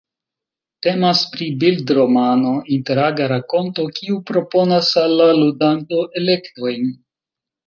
Temas pri bildromano, interaga rakonto kiu proponas al la ludanto elektojn.